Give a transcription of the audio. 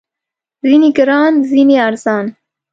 ځینې ګران، ځینې ارزان